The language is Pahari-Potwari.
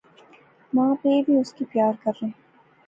ما پے وی اُس کی پیار کرنے